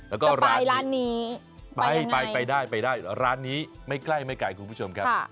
แล้วก็ร้านนี้ไปได้ร้านนี้ไม่ใกล้ไม่ไกลคุณผู้ชมครับ